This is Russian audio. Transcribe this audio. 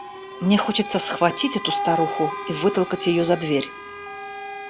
Мне хочется схватить эту старуху и вытолкать ее за дверь.